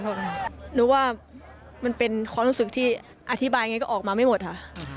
หนูว่ามันเป็นความรู้สึกที่อธิบายไงก็ออกมาไม่หมดค่ะ